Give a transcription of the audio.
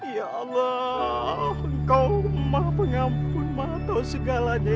ya allah engkau umma pengampun maha tau segalanya